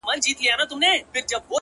او تر سپين لاس يې يو تور ساعت راتاو دی ـ